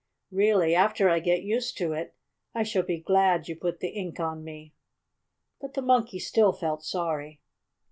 Really, after I get used to it, I shall be glad you put the ink on me." But the Monkey still felt sorry.